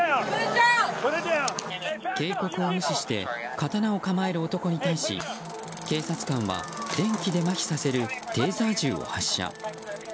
警告を無視して刀を構える男に対し警察官は電気でまひさせるテーザー銃を発射。